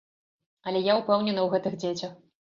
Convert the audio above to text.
Але я ўпэўнена ў гэтых дзецях.